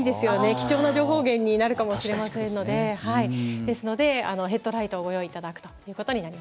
貴重な情報源になるかもしれないですのでヘッドライトをご用意いただくと。